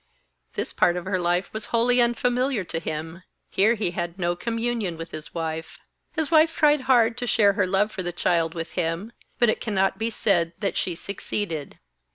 This part of her life was wholly unfamiliar to him here he had no communion with his wife. His wife tried hard to share her love for the child with him, but it cannot be said that she succeeded.